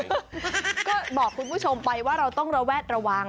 ก็บอกคุณผู้ชมไปว่าเราต้องระแวดระวัง